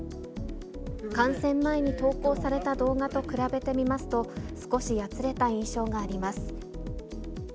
感染前に投稿された動画と比べて見ますと、少しやつれた印象があります。